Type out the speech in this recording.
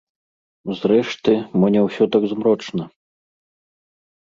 Зрэшты, мо не ўсё так змрочна.